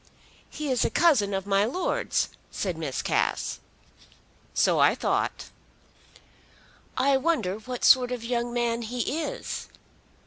"He is a cousin of my Lord's," said Miss Cass. "So I thought. I wonder what sort of a young man he is.